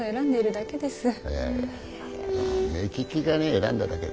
目利きがね選んだだけ。